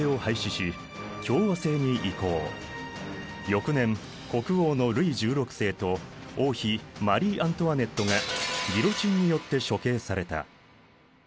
翌年国王のルイ１６世と王妃マリー・アントワネットがギロチンによって処刑された。